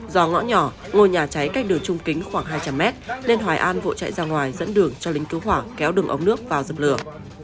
do ngõ nhỏ ngôi nhà cháy cách đường trung kính khoảng hai trăm linh mét nên hoài an vội chạy ra ngoài dẫn đường cho lính cứu hỏa kéo đường ống nước vào dập lửa